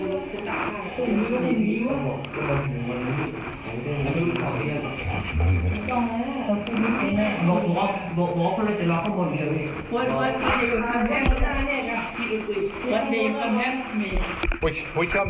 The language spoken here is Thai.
อยากเที่ยวใช่ไหม